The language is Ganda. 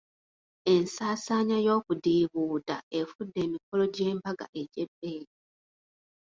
Ensaasaanya y'okudiibuuda efudde emikolo gy'embaga egy'ebbeeyi.